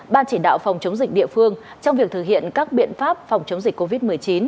ban chỉ đạo phòng chống dịch địa phương trong việc thực hiện các biện pháp phòng chống dịch covid một mươi chín